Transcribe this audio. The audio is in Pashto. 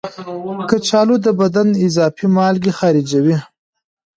کچالو د بدن اضافي مالګې خارجوي.